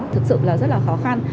thực sự là rất là khó khăn